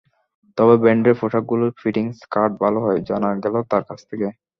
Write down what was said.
তবে ব্র্যান্ডের পোশাকগুলোর ফিটিংস, কাট ভালো হয়—জানা গেল তাঁর কাছ থেকে।